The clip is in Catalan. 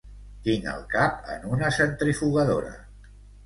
Tinc el cap en una centrifugadora.